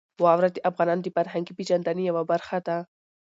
واوره د افغانانو د فرهنګي پیژندنې یوه برخه ده.